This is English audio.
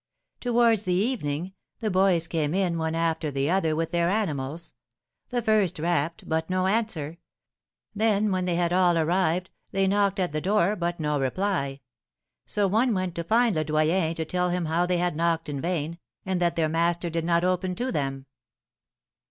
Towards the evening, the boys came in one after the other with their animals. The first rapped, but no answer; then, when they had all arrived, they knocked at the door, but no reply; so one went to find Le Doyen to tell him how they had knocked in vain, and that their master did not open to them.